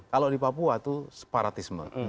kalau di papua itu separatisme